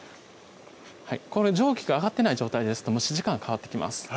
蒸気が上がってない状態ですと蒸し時間変わってきます